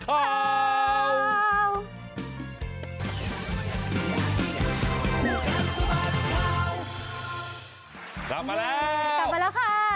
กลับมาแล้วกลับมาแล้วค่ะ